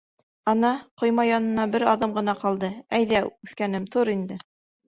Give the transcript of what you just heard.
— Ана, ҡойма янына бер аҙым ғына ҡалды, әйҙә, үҫкәнем, тор инде.